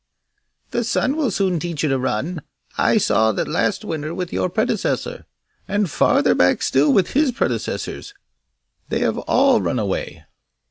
'The sun will soon teach you to run! I saw that last winter with your predecessor, and farther back still with his predecessors! They have all run away!